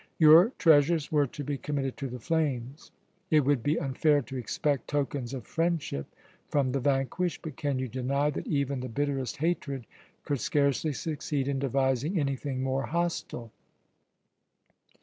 Your treasures were to be committed to the flames. It would be unfair to expect tokens of friendship from the vanquished; but can you deny that even the bitterest hatred could scarcely succeed in devising anything more hostile?"